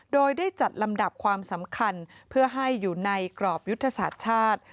โดยได้จัดลำดับความสำคัญเพื่อให้อยู่ในกรอบยุทธศาสตร์ชาติ